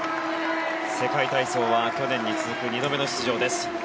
世界体操は去年に続く２度目の出場です。